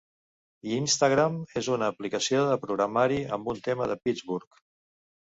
Yinztagram és una aplicació de programari amb un tema de Pittsburgh.